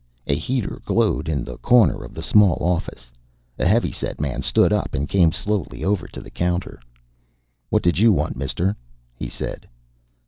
A heater glowed in the corner of the small office. A heavy set man stood up and came slowly over to the counter. "What did you want, mister?" he said.